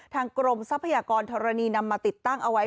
กรมทรัพยากรธรณีนำมาติดตั้งเอาไว้